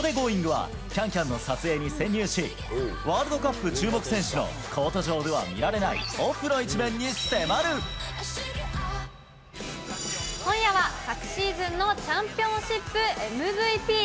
は、ＣａｎＣａｍの撮影に潜入し、ワールドカップ注目選手のコート上では見られないオフの一面に迫今夜は昨シーズンのチャンピオンシップＭＶＰ。